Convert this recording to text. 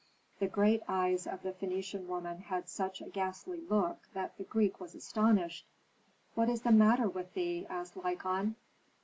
The great eyes of the Phœnician woman had such a ghastly look that the Greek was astonished. "What is the matter with thee?" asked Lykon.